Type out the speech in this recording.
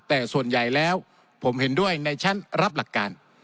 แต่ส่วนใหญ่แล้วผมเห็นด้วยในชั้นรับหลักการ